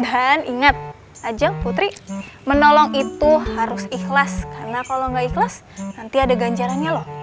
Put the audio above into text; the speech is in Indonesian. dan ingat ajeng putri menolong itu harus ikhlas karena kalau nggak ikhlas nanti ada ganjarannya loh